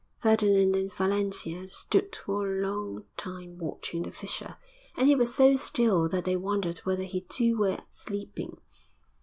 Ferdinand and Valentia stood for a long time watching the fisher, and he was so still that they wondered whether he too were sleeping.